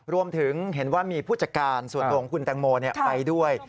รวมถึงเห็นว่ามีผู้จัดการส่วนตรงคุณแตงโมเนี่ยไปด้วย